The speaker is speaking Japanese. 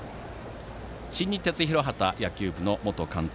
新日鉄広畑野球部の元監督